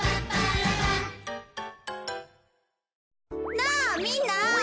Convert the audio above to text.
なあみんな！